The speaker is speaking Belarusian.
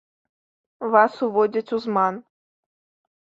Вас уводзяць у зман.